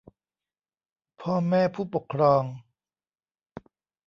พ่อแม่ผู้ปกครอง